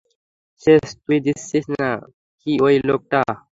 সেচ তুই দিচ্ছিস না কি ওই লোকটা?